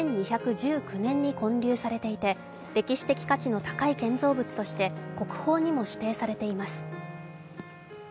１２１９年に建立されていて歴史的価値の高い建造物として国宝にも指定されています。